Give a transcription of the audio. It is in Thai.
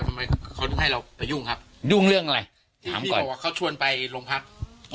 ทำไมเขาให้เราไปยุ่งครับยุ่งเรื่องอะไรถามก่อนว่าเขาชวนไปโรงพัก